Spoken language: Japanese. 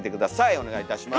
お願いいたします。